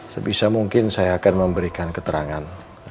sebisa mungkin saya akan memberikan keterangan